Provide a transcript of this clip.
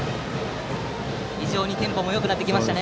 非常にテンポよくなってきました。